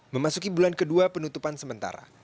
memasuki bulan kedua penutupan sementara